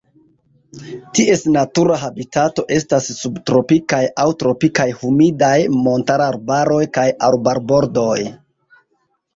Ties natura habitato estas subtropikaj aŭ tropikaj humidaj montararbaroj kaj arbarbordoj.